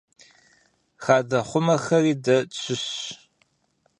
Хадэхъумэхэри дэ тщыщщ.